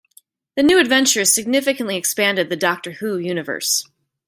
The New Adventures significantly expanded the "Doctor Who" universe.